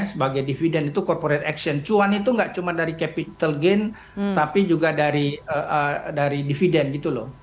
sebagai dividen itu corporate action cuan itu nggak cuma dari capital gain tapi juga dari dividen gitu loh